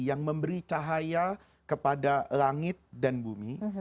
yang memberi cahaya kepada langit dan bumi